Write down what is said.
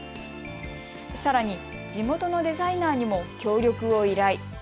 さらに地元のデザイナーにも協力を依頼。